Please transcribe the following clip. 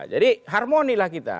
jadi harmonilah kita